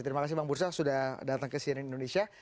terima kasih bang bursa sudah datang ke cnn indonesia